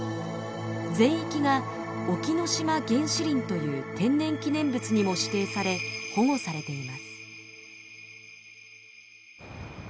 全域が「沖ノ島原始林」という天然記念物にも指定され保護されています。